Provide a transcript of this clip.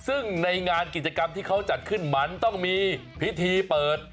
ซึ่งในงานกิจกรรมที่เขาจัดขึ้นมันต้องมีพิธีเปิด